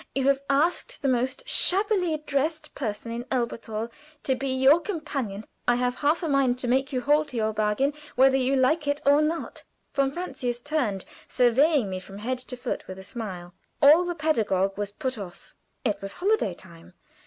You have asked the most shabbily dressed person in Elberthal to be your companion. I have a mind to make you hold to your bargain, whether you like it or not." Von Francius turned, surveying me from head to foot, with a smile. All the pedagogue was put off. It was holiday time.